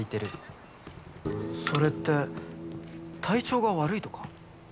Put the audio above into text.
それって体調が悪いとか？